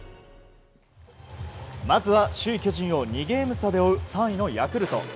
まずは首位、巨人を２ゲーム差で追う３位のヤクルト。